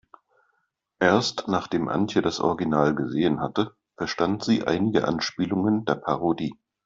Erst nachdem Antje das Original gesehen hatte, verstand sie einige Anspielungen der Parodie.